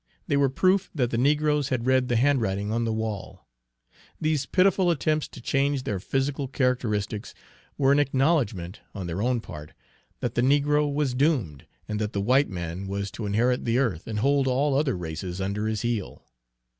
They were proof that the negroes had read the handwriting on the wall. These pitiful attempts to change their physical characteristics were an acknowledgment, on their own part, that the negro was doomed, and that the white man was to inherit the earth and hold all other races under his heel.